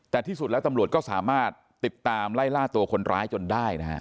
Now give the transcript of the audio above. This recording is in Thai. แต่ที่สุดแล้วตำรวจก็สามารถติดตามไล่ล่าตัวคนร้ายจนได้นะฮะ